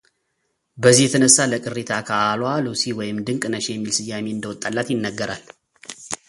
በዚህ የተነሳ ለቅሪተ አካሏ ሉሲ ወይም ድንቅነሽ የሚል ስያሜ እንደወጣላት ይነገራል፡፡